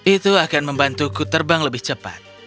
itu akan membantuku terbang lebih cepat